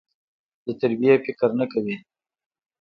د تربيې فکر نه کوي.